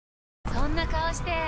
そんな顔して！